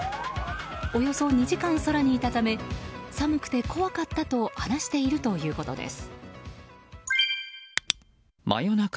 およそ２時間空にいたため寒くて怖かったと話しているということです。